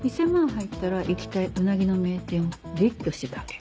入ったら行きたいうなぎの名店を列挙してたわけ。